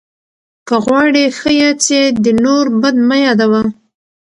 که غواړې ښه یاد سې، د نور بد مه یاد وه.